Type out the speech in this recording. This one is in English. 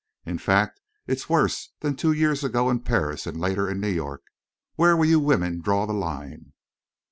In fact, it's worse than two years ago in Paris and later in New York. Where will you women draw the line?"